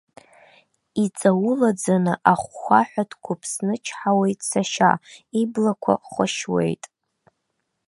Иҵаулаӡаны ахәхәаҳәа дқәыԥсычҳауеит сашьа, иблақәа хәашьуеит.